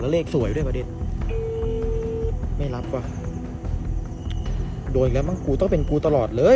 เลขสวยด้วยวะดินไม่รับว่ะโดนอีกแล้วมั้งกูต้องเป็นกูตลอดเลย